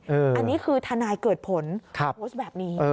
อันนี้คือทนายเกิดผลโพสต์แบบนี้